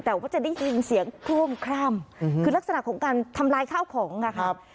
แต่ว่าจะได้ยินเสียงโคร่มคร่ำคือลักษณะของการทำลายข้าวของนะครับ